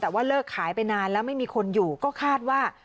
แต่ว่าเลิกขายไปนานแล้วไม่มีคนอยู่ก็คาดว่า